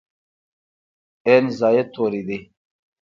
ان زاید توري دي.